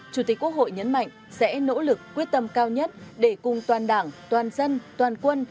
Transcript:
chủ tịch quốc hội nhấn mạnh sẽ nỗ lực quyết tâm cao nhất để cùng toàn đảng toàn dân toàn quân